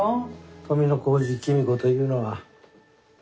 富小路公子というのは。